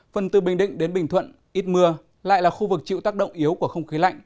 phần từ bình định đến bình thuận ít mưa lại là khu vực chịu tác động yếu của không khí lạnh